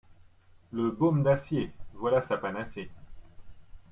Le baume d'acier ! voilà sa panacée.